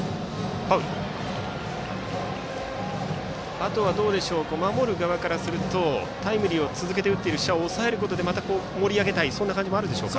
あとは、守る側からするとタイムリーを続けて打っている謝を抑えることでまた盛り上げたい感じもあるでしょうか。